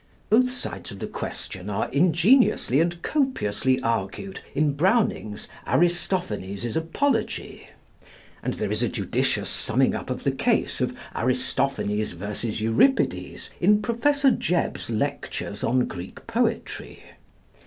Both sides of the question are ingeniously and copiously argued in Browning's 'Aristophanes' Apology'; and there is a judicious summing up of the case of Aristophanes vs. Euripides in Professor Jebb's lectures on Greek poetry.